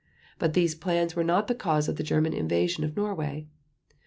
But these plans were not the cause of the German invasion of Norway.